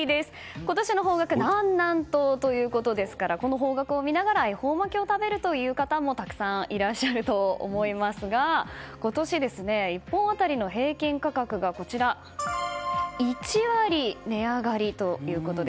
今年の方角は南南東ということですからこの方角を見ながら恵方巻きを食べる方もたくさんいらっしゃると思いますが今年、１本当たりの平均価格が１割値上がりということで。